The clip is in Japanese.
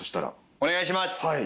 お願いします！